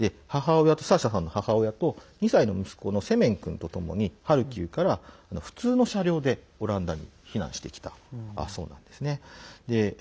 サーシャさんの母親と２歳の息子のセメン君とともにハルキウから普通の車両でオランダに避難してきたそうなんですね。